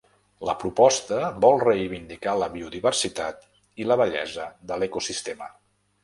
La proposta vol reivindicar la biodiversitat i la bellesa de l’ecosistema.